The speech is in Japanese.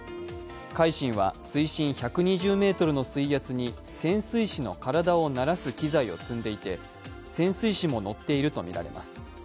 「海進」は水深１２０ｍの水圧に潜水士の体を慣らす機材を積んでいて潜水士も乗っているとみられます。